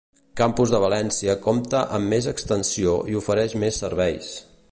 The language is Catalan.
Campus de València compta amb més extensió i ofereix més serveis.